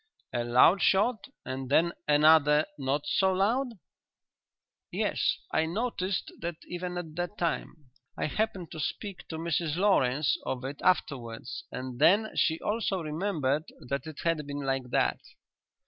"A loud shot and then another not so loud?" "Yes; I noticed that even at the time. I happened to speak to Mrs Lawrence of it afterwards and then she also remembered that it had been like that."